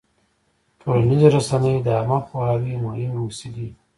ټولنیزې رسنۍ د عامه پوهاوي مهمې وسیلې دي.